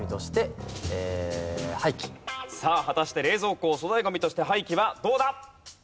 さあ果たして冷蔵庫を粗大ゴミとして廃棄はどうだ？